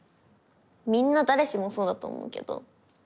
みんな誰しもそうだと思うけど。